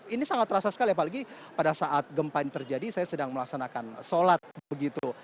ini sangat terasa sekali apalagi pada saat gempa ini terjadi saya sedang melaksanakan sholat begitu